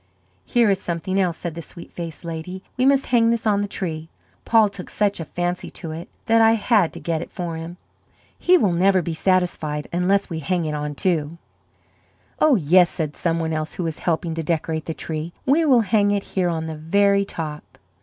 "Here is something else," said the sweet faced lady. "We must hang this on the tree. Paul took such a fancy to it that I had to get it for him. He will never be satisfied unless we hang it on too." "Oh, yes," said some one else who was helping to decorate the tree; "we will hang it here on the very top."